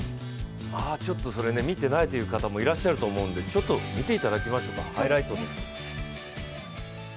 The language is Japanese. ちょっと、それ見てないという方もいらっしゃるので、見ていただきましょうハイライトです。